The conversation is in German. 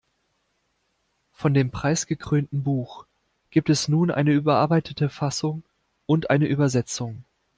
Von dem preisgekrönten Buch gibt es nun eine überarbeitete Fassung und eine Übersetzung.